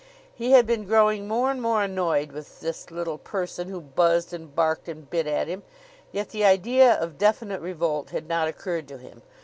He had been growing more and more annoyed with this little person who buzzed and barked and bit at him, yet the idea of definite revolt had not occurred to him.